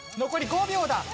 残り５秒だ。